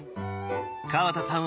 河田さん